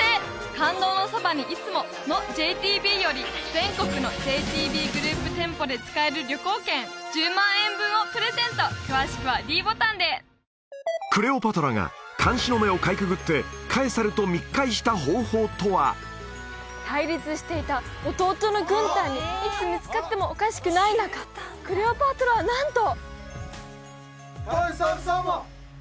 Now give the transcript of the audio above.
「感動のそばに、いつも。」のＪＴＢより全国のＪＴＢグループ店舗で使えるクレオパトラが監視の目をかいくぐってカエサルと密会した方法とは？対立していた弟の軍隊にいつ見つかってもおかしくない中クレオパトラはなんと！